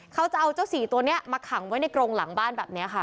เขาจะเอาเจ้าสี่ตัวนี้มาขังไว้ในกรงหลังบ้านแบบนี้ค่ะ